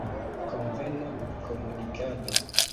Konvena komunikado.